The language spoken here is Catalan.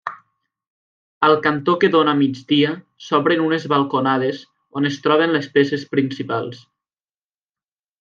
Al cantó que dóna a migdia s'obren unes balconades, on es troben les peces principals.